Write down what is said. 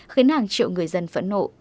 khiến hàng triệu người dân phẫn nộ